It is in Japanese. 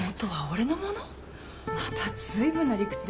また随分な理屈ですね。